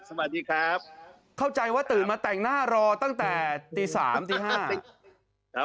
สวัสดีครับเข้าใจว่าตื่นมาแต่งหน้ารอตั้งแต่ตีสามตีห้าครับ